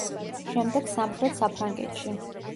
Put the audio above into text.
შემდეგ სამხრეთ საფრანგეთში.